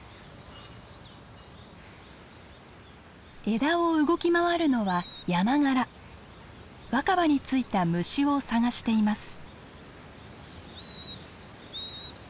枝を動き回るのは若葉についた虫を探しています。